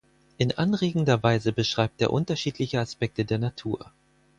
In anregender Weise beschreibt er unterschiedliche Aspekte der Natur.